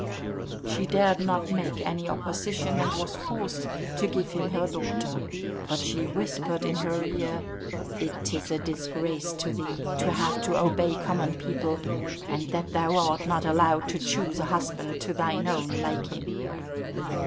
She dared not make any opposition, and was forced to give him her daughter. But she whispered in her ear, "It is a disgrace to thee to have to obey common people, and that thou art not allowed to choose a husband to thine own liking."